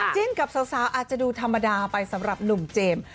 จิ้นกับสาวอาจจะดูธรรมดาไปสำหรับหนุ่มเจมส์